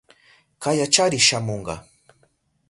Kayachari shamunka.